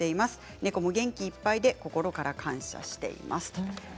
猫も元気いっぱいで心から感謝していますときています。